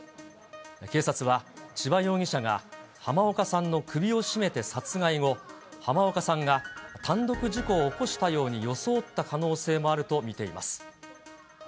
警察は千葉容疑者が濱岡さんの首を絞めて殺害後、濱岡さんが単独事故を起こしたように装った可能性もあると見ています。